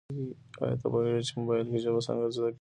ایا ته پوهېږې چي په موبایل کي ژبه څنګه زده کیږي؟